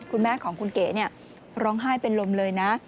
คุณแม่ของคุณเก๋ร้องไห้เป็นลมเลยนะ